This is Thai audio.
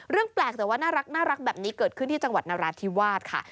เรื่องแปลกแต่ว่าน่ารักแบบนี้เกิดขึ้นที่จังหวัดนราธิวาสค่ะ